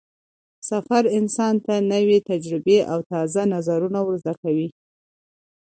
سفر انسان ته نوې تجربې او تازه نظرونه ور زده کوي